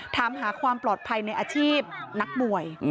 ถามหาความปลอดภัยในอาชีพนักมวย